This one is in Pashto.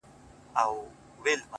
جدايي وخوړم لاليه’ ستا خبر نه راځي’